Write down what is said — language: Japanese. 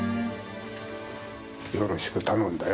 よろしく頼んだよ。